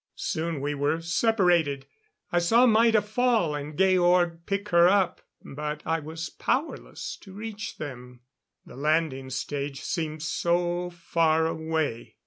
Soon we were separated. I saw Maida fall and Georg pick her up, but I was powerless to reach them. The landing stage seemed so far away.